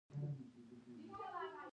غوث الدين لاندې وکتل.